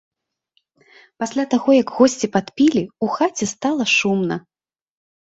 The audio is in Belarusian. Пасля таго як госці падпілі, у хаце стала шумна.